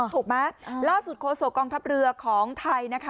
ถูกไหมล่าสุดโคศกองทัพเรือของไทยนะคะ